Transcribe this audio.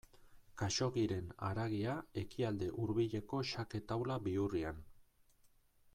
Khaxoggiren haragia Ekialde Hurbileko xake taula bihurrian.